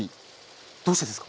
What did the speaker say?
どうしてですか？